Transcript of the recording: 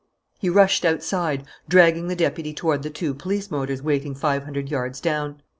He rushed outside, dragging the deputy toward the two police motors waiting five hundred yards down.